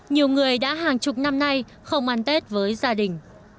nhiều người đã hàng chục năm nay không ăn tết với gia đình